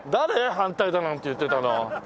「反対だ」なんて言ってたの。